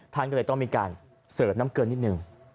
ท่านก็เลยต้องมีการเสิร์ฟน้ำเกลือนิดนึง